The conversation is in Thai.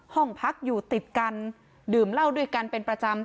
ห้องพักอยู่ติดกันดื่มเหล้าด้วยกันเป็นประจำ